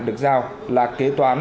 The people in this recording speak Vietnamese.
được giao là kế toán